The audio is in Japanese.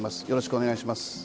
よろしくお願いします。